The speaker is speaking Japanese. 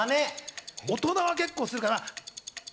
大人は結構するかな。